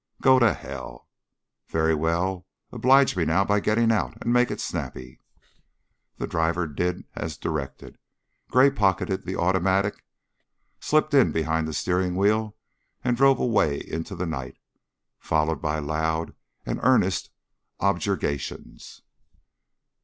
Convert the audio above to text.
"Go to hell!" "Very well. Oblige me now by getting out.... And make it snappy!" The driver did as directed. Gray pocketed the automatic, slipped in behind the steering wheel, and drove away into the night, followed by loud and earnest objurgations.